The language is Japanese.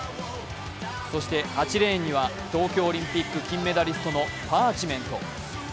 そして８レーンには東京オリンピック金メダリストのパーチメント。